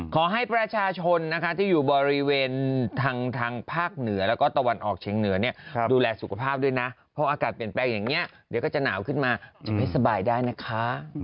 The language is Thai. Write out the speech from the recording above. ขอให้ประชาชนนะคะที่อยู่บริเวณทางภาคเหนือแล้วก็ตะวันออกเฉียงเหนือเนี่ยดูแลสุขภาพด้วยนะเพราะอากาศเปลี่ยนแปลงอย่างนี้เดี๋ยวก็จะหนาวขึ้นมาจะไม่สบายได้นะคะ